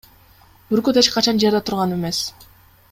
Бүркүт эч качан жерде турган эмес.